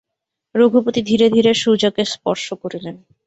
রঘুপতি ধীরে ধীরে সুজাকে স্পর্শ করিলেন।